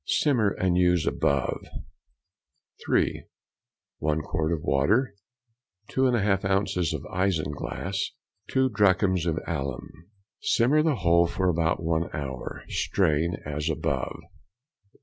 Simmer and use as above. (3). 1 quart of water. 2 1/2 ounces of isinglass. 2 drachms of alum. Simmer the whole for about one hour, strain as above.